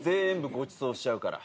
ごちそうしちゃうから。